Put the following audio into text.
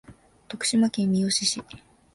徳島県三好市